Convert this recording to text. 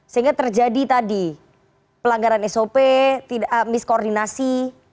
sehingga terjadi tadi pelanggaran sop miskoordinasi